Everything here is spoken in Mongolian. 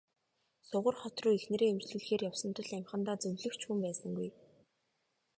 Сугар хот руу эхнэрээ эмчлүүлэхээр явсан тул амьхандаа зөвлөх ч хүн байсангүй.